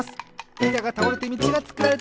いたがたおれてみちがつくられていく！